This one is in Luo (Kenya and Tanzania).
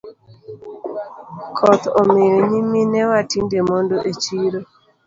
Koth omiyo nyiminewa tinde mondo e chiro.